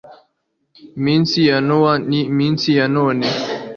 Iminsi ya Nowa n’Iminsi ya None